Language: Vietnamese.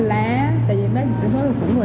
đó tại vì nó cũng sinh ra những cái khí hơi độc đó